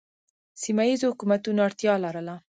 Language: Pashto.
سیمه ییزو حکومتونو اړتیا لرله